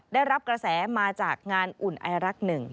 ได้รับกระแสมาจากงานอุ่นไอรักษ์หนึ่ง